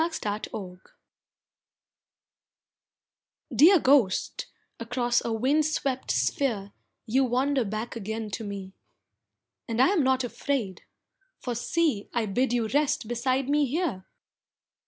A WELCOME Dear Ghost, across a wind swept sphere You wander back again to me, And I am not afraid, for see I bid you rest beside me here!